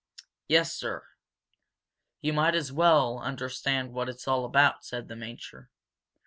"Yes, sir." "You might as well understand what it's all about," said the major.